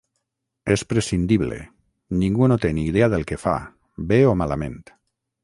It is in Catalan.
És prescindible: ningú no té ni idea del que fa, bé o malament.